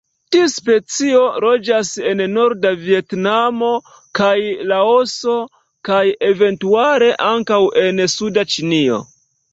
Tiu specio loĝas en norda Vjetnamo kaj Laoso, kaj eventuale ankaŭ en suda Ĉinio.